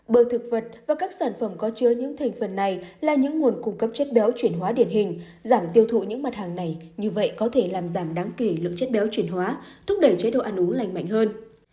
bởi thực vật và các sản phẩm có chứa những thành phần này là những nguồn cung cấp chất béo chuyển hóa điển hình giảm tiêu thụ những mặt hàng này như vậy có thể làm giảm đáng kể lượng chất béo chuyển hóa thúc đẩy chế độ ăn uống lành mạnh hơn